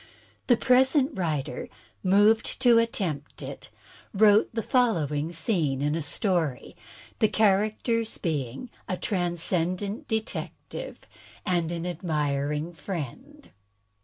The Present Writer, moved to attempt it, wrote the fol lowing scene in a story, the characters being a Transcendant Detective and an Admiring Friend.